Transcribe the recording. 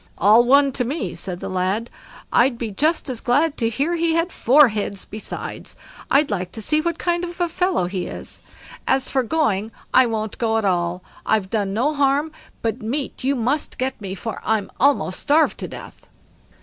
"All one to me", said the lad, "I'd be just as glad to hear he had four heads beside; I'd like to see what kind of fellow he is. As for going, I won't go at all. I've done no harm; but meat you must get me, for I'm almost starved to death."